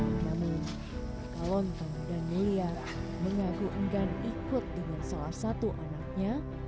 namun kalonto dan mulia mengaku enggan ikut dengan salah satu anaknya